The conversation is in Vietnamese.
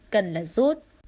cần là rút